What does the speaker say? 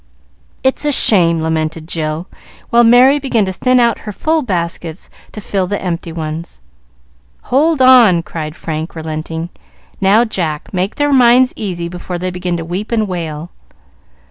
It's a shame!" lamented Jill, while Merry began to thin out her full baskets to fill the empty ones. "Hold on!" cried Frank, relenting. "Now, Jack, make their minds easy before they begin to weep and wail."